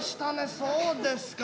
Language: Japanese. そうですか。